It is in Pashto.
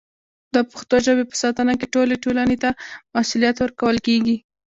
د پښتو ژبې په ساتنه کې ټولې ټولنې ته مسوولیت ورکول کېږي.